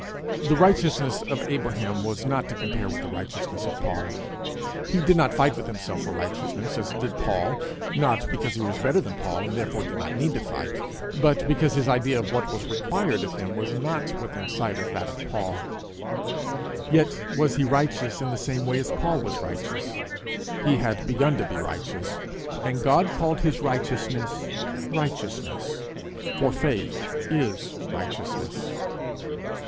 The righteousness of Abraham was not to compare with the righteousness of Paul. He did not fight with himself for righteousness, as did Paul not because he was better than Paul and therefore did not need to fight, but because his idea of what was required of him was not within sight of that of Paul; yet was he righteous in the same way as Paul was righteous: he had begun to be righteous, and God called his righteousness righteousness, for faith is righteousness.